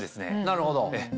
なるほど。